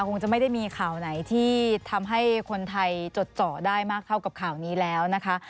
คงจะไม่ได้มีข่าวไหนที่ทำให้คนไทยจดเจาะได้มากเท่ากับข่าวนี้แล้วนะคะ